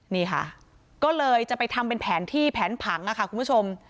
นี่ค่ะก็เลยจะไปทำเป็นแผนที่แผนผังค่ะคุณผู้ชม